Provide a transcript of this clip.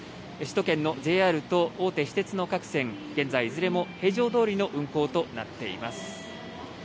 首都圏のＪＲと大手私鉄の各線、現在、いずれも平常どおりの運行となっています。